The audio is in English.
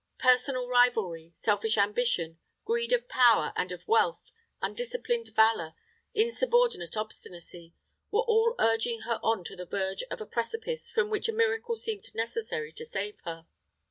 Personal rivalry, selfish ambition, greed of power and of wealth, undisciplined valor, insubordinate obstinacy, were all urging her on to the verge of a precipice from which a miracle seemed necessary to save her.